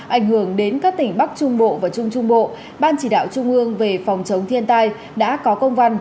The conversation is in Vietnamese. ảnh hưởng đến các tỉnh bắc trung bộ và trung trung bộ ban chỉ đạo trung ương về phòng chống thiên tai đã có công văn